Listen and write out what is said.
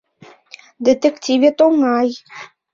— Детективет оҥай.